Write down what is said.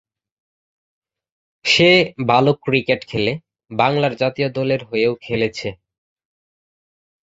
সে ভালো ক্রিকেট খেলে, বাংলার জাতীয় দলের হয়েও খেলেছে।